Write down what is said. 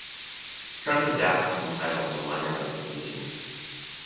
Credits adapted from Tidal and the liner notes of "Positions".